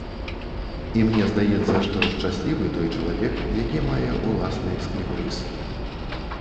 І мне здаецца, што шчаслівы той чалавек, які мае ўласны экслібрыс.